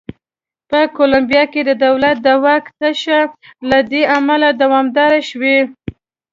په کولمبیا کې د دولت د واک تشه له دې امله دوامداره شوې.